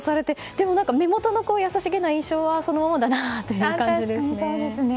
でも、目元の優しげな印象はそのままだなという感じですね。